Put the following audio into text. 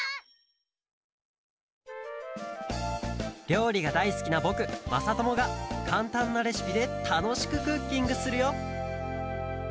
りょうりがだいすきなぼくまさともがかんたんなレシピでたのしくクッキングするよ